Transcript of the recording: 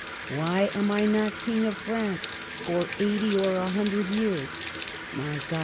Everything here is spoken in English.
Why am I not King of France for eighty or a hundred years? My God